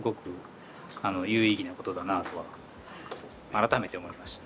改めて思いました。